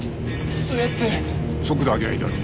速度上げりゃいいだろ。